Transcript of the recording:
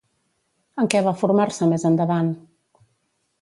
En què va formar-se més endavant?